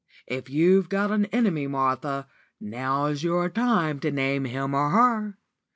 If you've got an enemy, Martha, now's your time to name him or her.